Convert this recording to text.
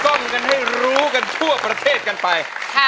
ต้องกันให้รู้กันทั่วประเทศกันไป